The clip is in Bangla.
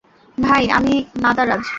ভাই, আমি নাদারাজ।